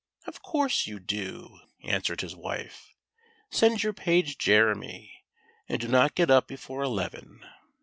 " Of course you do," answered his wife; "send your page Jeremy, and do not get up before eleven."